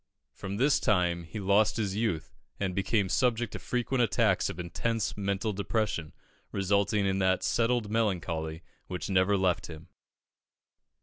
From this time he lost his youth, and became subject to frequent attacks of intense mental depression, resulting in that settled melancholy which never left him.